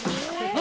何？